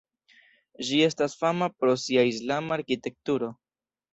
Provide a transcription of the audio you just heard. Ĝi estas fama pro sia islama arkitekturo.